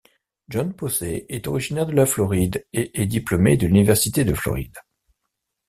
John Posey est originaire de la Floride et est diplômé de l'Université de Floride.